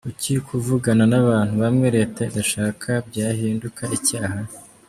Kuki kuvugana n’abantu bamwe Leta idashaka byahinduka icyaha?